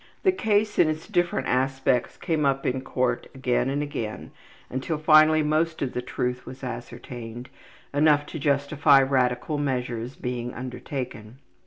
The case in its different aspects came up in court again and again until finally most of the truth was ascertained, enough to justify radical measures being undertaken.